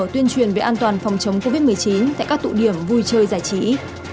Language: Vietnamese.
tuyên truyền về an toàn phòng chống covid một mươi chín tại các tụ điểm vui chơi giải trí